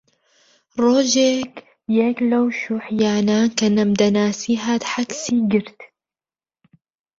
ڕۆژێک یەک لەو شیووعییانە کە نەمدەناسی هات عەکسی گرت